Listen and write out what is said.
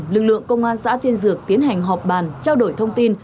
lực lượng công an xã tiên dược tiến hành họp bàn trao đổi thông tin